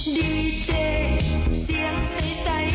ดีเจเสียงใส